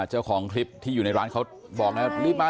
เจ้าของที่อยู่ร้านก็บอกรีบมา